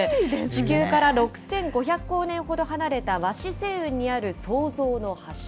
地球から６５００光年ほど離れたワシ星雲にある創造の柱。